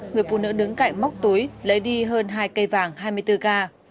người phụ nữ đứng cạnh móc túi lấy đi hơn hai cây vàng hai mươi bốn k